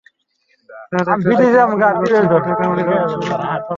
রাত একটার দিকে পুলিশ বাদশাকে ঢাকা মেডিকেল কলেজ হাসপাতালে নিয়ে যায়।